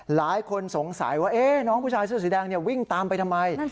หลายคนสงสัยว่าน้องผู้ชายเสื้อสีแดงวิ่งตามไปทำไม